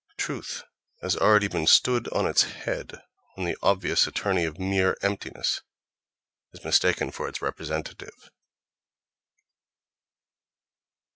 Truth has already been stood on its head when the obvious attorney of mere emptiness is mistaken for its representative....